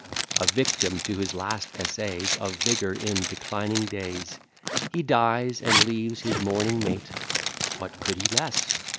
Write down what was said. A victim to the last essays Of vigour in declining days, He dies, and leaves his mourning mate (What could he less?)